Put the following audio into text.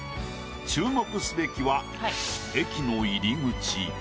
注目すべきは駅の入り口。